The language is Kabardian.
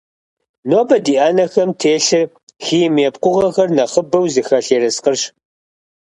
Нобэ ди ӏэнэхэм телъыр химие пкъыгъуэхэр нэхъыбэу зыхэлъ ерыскъырщ.